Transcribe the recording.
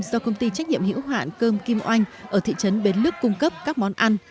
do công ty trách nhiệm hữu hạn cơm kim oanh ở thị trấn bến lức cung cấp các món ăn